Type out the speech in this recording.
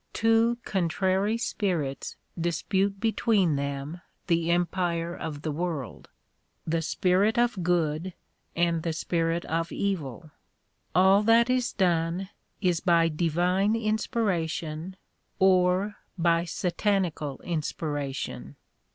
Two contrary spirits dispute between them the empire of the world; the spirit of good, and the spirit of evil. All that is done, is by divine inspiration or by satanical inspiration.